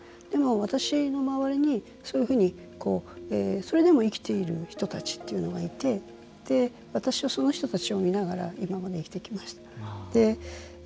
でも、私の周りにそれでも生きている人たちというのがいて私は、その人たちを見ながら今まで生きてきました。